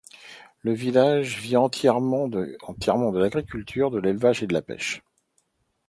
Le village vit entièrement de l'agriculture, de l'élevage et de la pêche.